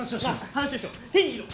話をしよう。